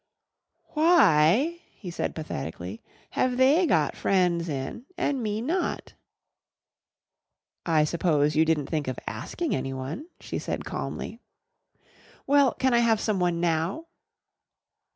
"Why," he said pathetically, "have they got friends in an' me not?" "I suppose you didn't think of asking anyone," she said calmly. "Well, can I have someone now?"